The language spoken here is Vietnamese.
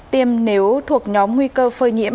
tiêm nếu thuộc nhóm nguy cơ phơi nhiễm